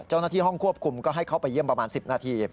เจ้าหน้าที่ห้องควบคุมก็ให้เข้าไปเยี่ยมประมาณ๑๐นาที